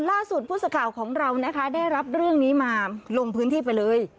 ล่าสุดผู้สื่อข่าวของเรานะคะได้รับเรื่องนี้มาลงพื้นที่ไปเลย